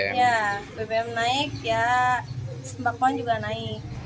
ya bbm naik ya sembako juga naik